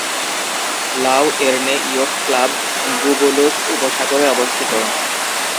লাও এর্নে yacht club গুবুলুস্ক উপসাগরে অবস্থিত।